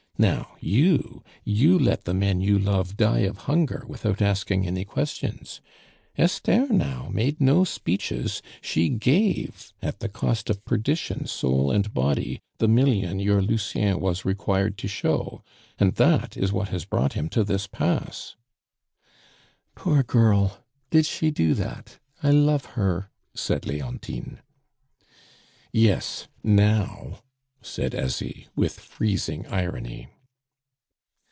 Now, you you let the men you love die of hunger without asking any questions. Esther, now, made no speeches; she gave, at the cost of perdition, soul and body, the million your Lucien was required to show, and that is what has brought him to this pass " "Poor girl! Did she do that! I love her!" said Leontine. "Yes now!" said Asie, with freezing irony.